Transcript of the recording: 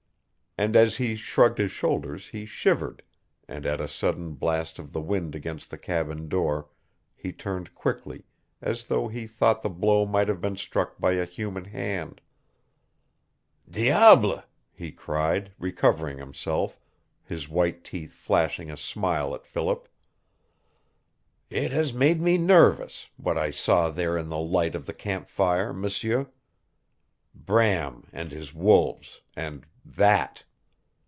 And as he shrugged his shoulders he shivered, and at a sudden blast of the wind against the cabin door he turned quickly, as though he thought the blow might have been struck by a human hand. "Diable!" he cried, recovering himself, his white teeth flashing a smile at Philip. "It has made me nervous what I saw there in the light of the campfire, M'sieu. Bram, and his wolves, and THAT!"